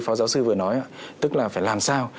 phó giáo sư vừa nói tức là phải làm sao